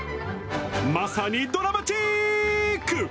まさにドラマチック！